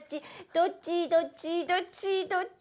「どっちどっちどっちどっち」